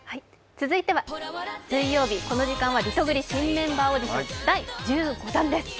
続いては水曜日、この時間はリトグリ新メンバーオーディション、第５弾です。